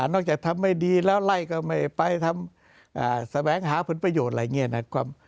ทำไม่ดีแล้วไล่ก็ไม่ไปทำแสวงหาผลประโยชน์อะไรอย่างนี้นะครับ